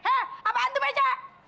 hah apaan tuh pece